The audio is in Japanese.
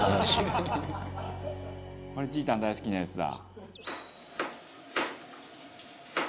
「これちーたん大好きなやつだ」